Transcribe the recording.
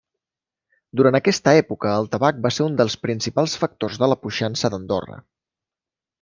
Durant aquesta època el tabac va ser un dels principals factors de la puixança d'Andorra.